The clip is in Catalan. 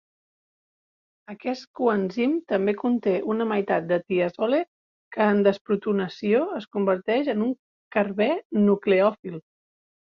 Aquest coenzim també conté una meitat de tiazole, que en desprotonació es converteix en un carbè nucleòfil.